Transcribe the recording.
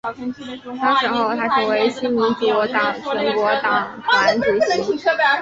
当选后她成为新民主党全国党团主席。